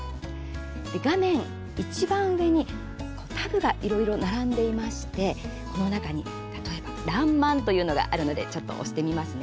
画面いちばん上にタブがいろいろ並んでいましてこの中に例えば「らんまん」というのがあるのでちょっと押してみますね。